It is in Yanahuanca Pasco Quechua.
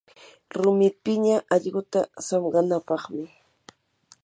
rumi piña allquta saqmanapaqmi.